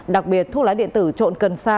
đặc biệt thuốc lá điện tử trộn cần xa